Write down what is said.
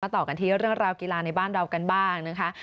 ต่อกันที่เรื่องราวกีฬาในบ้านเรากันบ้างนะคะ